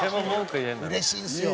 うれしいんですよ。